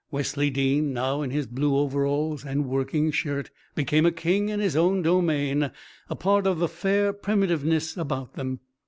Wesley Dean, now in his blue overalls and working shirt, became a king in his own domain, a part of the fair primitiveness about them.